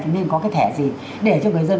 nên có cái thẻ gì để cho người dân